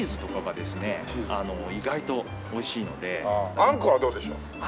あんこはどうでしょう？